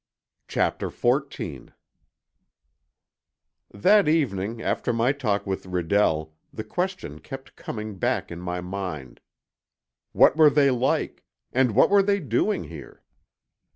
CHAPTER XIV That evening, after my talk with Redell, the question kept coming back in my mind. What were they like? And what were they doing here?